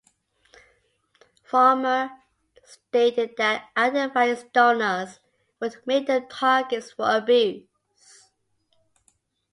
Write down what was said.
Farmer stated that identifying its donors would make them targets for abuse.